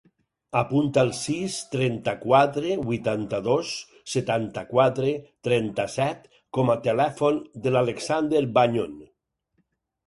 Apunta el sis, trenta-quatre, vuitanta-dos, setanta-quatre, trenta-set com a telèfon de l'Alexander Bañon.